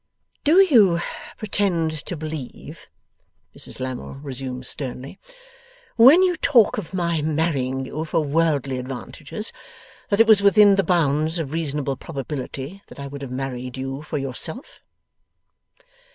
'Do you pretend to believe,' Mrs Lammle resumes, sternly, 'when you talk of my marrying you for worldly advantages, that it was within the bounds of reasonable probability that I would have married you for yourself?